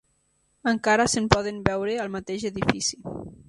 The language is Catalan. Encara se'n poden veure al mateix edifici.